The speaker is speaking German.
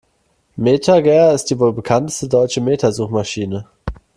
MetaGer ist die wohl bekannteste deutsche Meta-Suchmaschine.